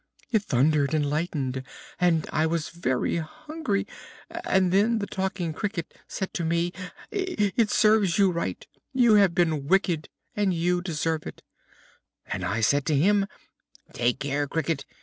It thundered and lightened, and I was very hungry, and then the Talking Cricket said to me: 'It serves you right; you have been wicked and you deserve it,' and I said to him: 'Take care, Cricket!'